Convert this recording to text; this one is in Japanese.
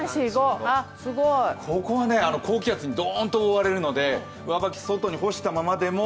ここは高気圧にどーんと覆われるので上履き、外に３日間干したままでも。